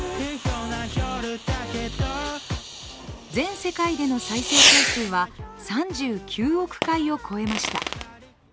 全世界での再生回数は３９億回を超えました。